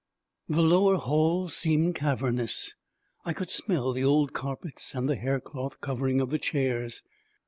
The lower hall seemed cavernous. I could smell the old carpets and the haircloth covering of the chairs.